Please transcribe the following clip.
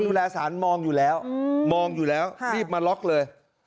ดูแลสารมองอยู่แล้วมองอยู่แล้วรีบมาล็อกเลย